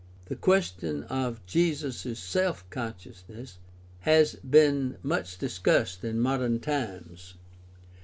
^The question of Jesus' self consciousness has been much discussed in modern times.